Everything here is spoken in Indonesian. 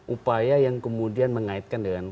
upaya yang kemudian mengaitkan dengan